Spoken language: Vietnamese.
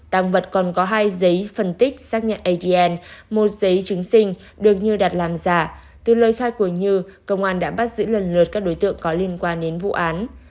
tăng vật còn có hai giấy phân tích xác nhận adn một giấy chứng sinh được như đặt làm giả từ lời khai của như công an đã bắt giữ lần lượt các đối tượng có liên quan đến vụ án